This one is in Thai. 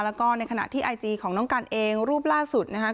แล้วก็ในขณะที่ไอจีของน้องกันเองรูปล่าสุดนะครับ